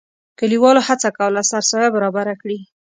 کلیوالو هڅه کوله سرسایه برابره کړي.